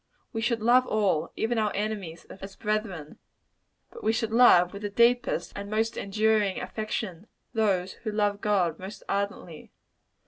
We should love all even our enemies as brethren; but we should love, with the deepest and most enduring affection, those who love God most ardently.